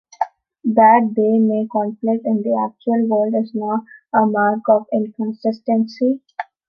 That they may conflict in the actual world is not a mark of inconsistency.